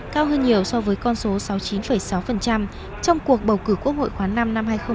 cao hơn nhiều so với con số sáu mươi chín sáu trong cuộc bầu cử quốc hội khóa v năm hai nghìn một mươi ba